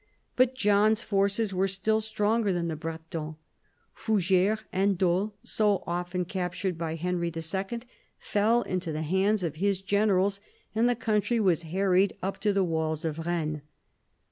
But John's forces were still stronger than the Bretons. Fougeres and Dol, so often captured by Henry II., fell into the hands of his generals, and the country was harried up to the walls of Rennes.